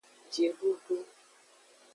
Jidudu.